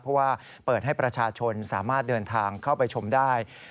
เพราะว่าเปิดให้ประชาชนสามารถเดินทางเข้าไปชมได้